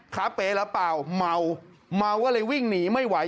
ค้าเป๊หรือเปล่าเมาเมาก็เลยวิ่งหนีไม่ไหว